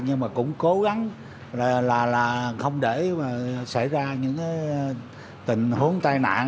nhưng mà cũng cố gắng là không để xảy ra những tình huống tai nạn